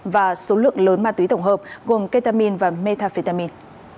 và số lượng lớn ma túy tổng hợp gồm ketamin và metafetamin